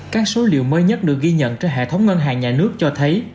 các số liệu mới nhất được ghi nhận trên hệ thống ngân hàng nhà nước cho thấy